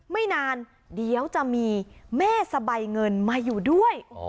ไม่นานเดี๋ยวจะมีแม่สะใบเงินมาอยู่ด้วย